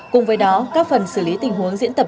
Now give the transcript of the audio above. cùng với đó các phần xử lý tình huống diễn tập